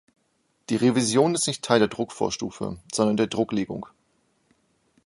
Die Revision ist nicht Teil der Druckvorstufe, sondern der Drucklegung.